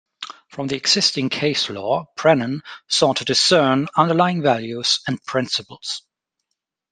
From the existing case law, Brennan sought to discern underlying values and principles.